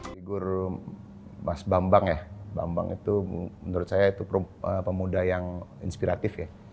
figur mas bambang ya bambang itu menurut saya itu pemuda yang inspiratif ya